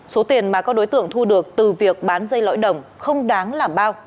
số tiền mà các đối tượng thu được từ việc bán dây lõi đồng không đáng làm bao